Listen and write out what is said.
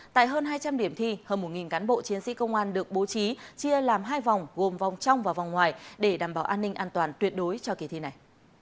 tại hơn hai trăm linh điểm thi hơn một cán bộ chiến sĩ công an được bố trí chia làm hai vòng gồm vòng trong và vòng ngoài để đảm bảo an ninh an toàn tuyệt đối cho kỳ thi này